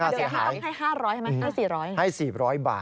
ค่าเสียหายจากการตั้งด้วยต้องให้๕๐๐ใช่ไหมให้๔๐๐